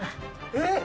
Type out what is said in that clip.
えっ！